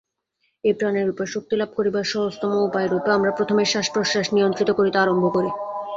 এই প্রাণের উপর শক্তিলাভ করিবার সহজতম উপায়রূপে আমরা প্রথমে শ্বাসপ্রশ্বাস নিয়ন্ত্রিত করিতে আরম্ভ করি।